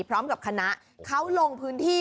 พร้อมกับคณะเขาลงพื้นที่